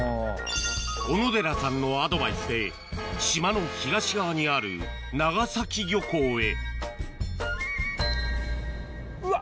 小野寺さんのアドバイスで島の東側にある長崎漁港へうわ！